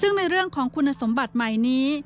ซึ่งในเรื่องของคุณสมบัติใหม่นี้